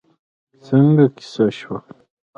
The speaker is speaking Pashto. څنګه کېسه شوه؟